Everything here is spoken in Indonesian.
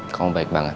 kamu baik banget